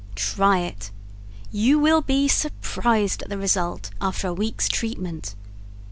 TRY IT. YOU WILL BE SURPRISED AT THE RESULT AFTER A WEEK'S TREATMENT.